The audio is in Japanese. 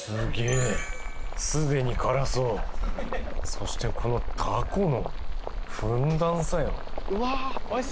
そしてこのタコのふんだんさよ。